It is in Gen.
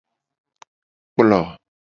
Kplo.